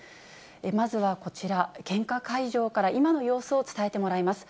まずはこちら、献花会場から今の様子を伝えてもらいます。